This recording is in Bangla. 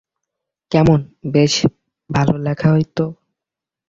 কেমন, বেশ ভালো লেখা হয় তো?